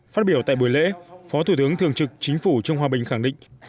phát biểu tại buổi lễ phó thủ tướng thường trực chính phủ trương hòa bình khẳng định